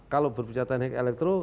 kalau berbicara tanning elektro